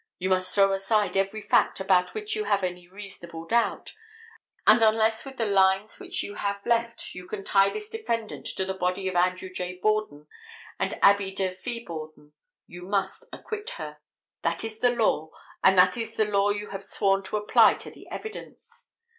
You must throw aside every fact about which you have any reasonable doubt, and unless with the lines which you have left you can tie this defendant to the body of Andrew J. Borden and Abby Durfee Borden, you must acquit her. That is the law, and that is the law you have sworn to apply to the evidence.